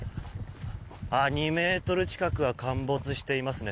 ２ｍ近くは陥没していますね。